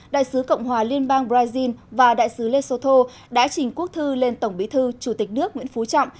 đại sứ cộng hòa liên bang brazil và đại sứ lesoto đã trình quốc thư lên tổng bí thư chủ tịch nước nguyễn phú trọng